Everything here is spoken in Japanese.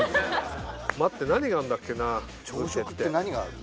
待って何があるんだっけな朝食って何がある？